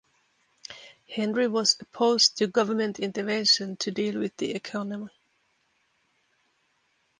Henry was opposed to government intervention to deal with the economy.